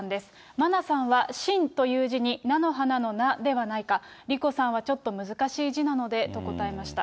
真菜さんは真という字に菜の花の菜ではないか、莉子さんはちょっと難しい字なのでと答えました。